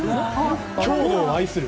郷土を愛する。